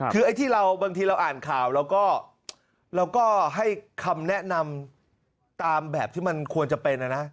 คือไอ้ที่เราบางทีเราอ่านข่าวเราก็เราก็ให้คำแนะนำตามแบบที่มันควรจะเป็นนะนะ